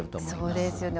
そうですよね。